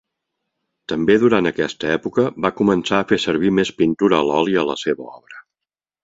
També durant aquesta època, va començar a fer servir més pintura a l'oli a la seva obra.